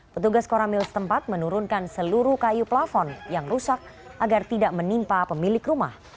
petugas koramil setempat menurunkan seluruh kayu plafon yang rusak agar tidak menimpa pemilik rumah